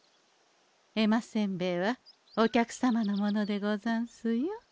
絵馬せんべいはお客様のものでござんすよ。